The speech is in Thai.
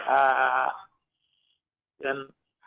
อ่าเดือน